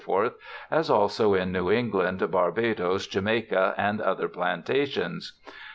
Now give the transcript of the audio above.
as also in New England, Barbadoes, Jamaica, and other Plantations.